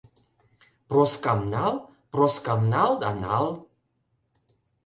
Проскам нал, Проскам нал да нал...